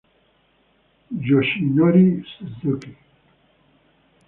Yoshinori Suzuki